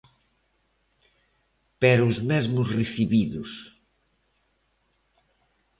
Pero os mesmos recibidos.